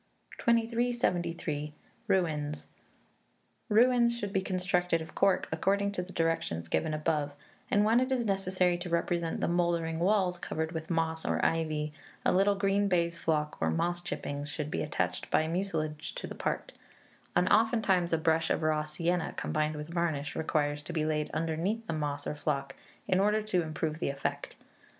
2373. Ruins. Ruins should be constructed of cork, according to the directions given above, and when it is necessary to represent the mouldering walls covered with moss or ivy, a little green baize flock, or moss chippings, should be attached by mucilage to the part; and oftentimes a brush of raw sienna, combined with varnish, requires to be laid underneath the moss or flock, in order to improve the effect.